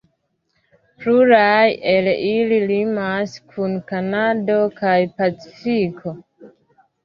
Pluraj el ili limas kun Kanado kaj Pacifiko.